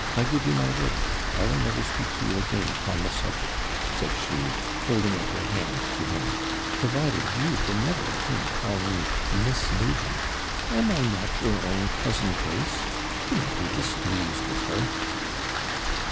I give you my word, I will never speak to you again upon the subject,' said she, holding out her hand to him, 'provided you will never again call me Miss Nugent. Am I not your own cousin Grace Do not be displeased with her.'